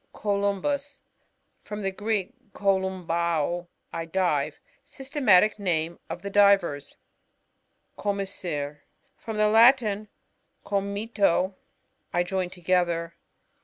CoLYMBUs. — From the Greek, kohini' baot I dive. Systematic name of the Diver?, Commissure. — From the Latin, com' mitto, I join together.